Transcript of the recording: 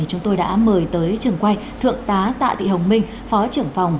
chúng tôi đã mời tới trường quay thượng tá tạ thị hồng minh phó trưởng phòng